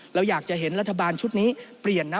เราอยากจะเห็นรัฐบาลชุดนี้